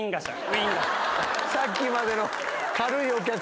さっきまでの。